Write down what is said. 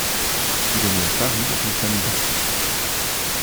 Il est né à Paris dans une famille d'artistes.